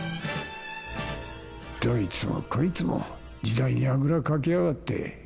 どいつもこいつも時代にあぐらかきやがって。